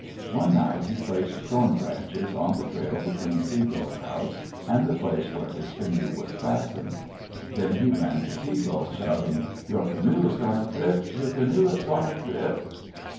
One night he placed thorn branches on the trail between Sea Gull's house and the place where his canoe was fastened. Then he ran to Sea Gull, shouting, "Your canoe has gone adrift! Your canoe has gone adrift!"